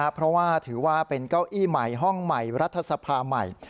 เพราะว่าถือว่าเป็นเก้าอี้ใหม่ห้องใหม่รัฐสภาใหม่